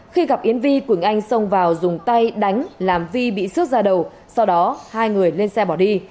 khi gặp yến vi quỳnh anh xông vào dùng tay đánh làm vi bị xước ra đầu sau đó hai người lên xe bỏ đi